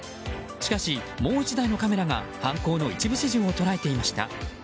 しかし、もう１台のカメラが犯行の一部始終を捉えていました。